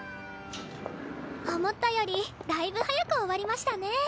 思ったよりだいぶ早く終わりましたね。